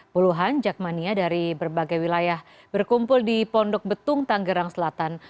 puluhan jakmania dari berbagai wilayah berkumpul di pondok betung tanggerang selatan